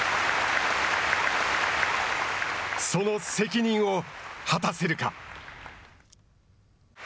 その責任を果たせるか。